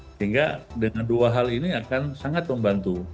sehingga dengan dua hal ini akan sangat membantu